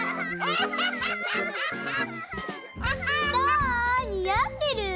どう？にあってる？